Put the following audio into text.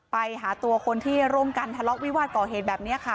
ไปหาตัวคนที่ร่วมกันทะเลาะวิวาสก่อเหตุแบบนี้ค่ะ